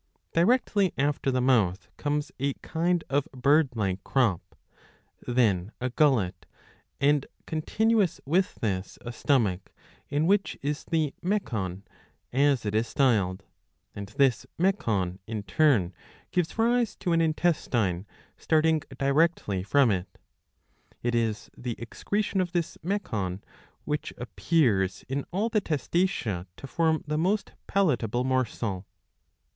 Directly after the niouth comes a kind of bird like crop,^® then a gullet, and continuous with this a stomach, in which is the mecon^ as it is styled ; and this mecon in turn gives rise to an intestine, starting directly from it.^^ It is the excretion of this mecon, which appears in all the Testacea to form the most palatable morsel.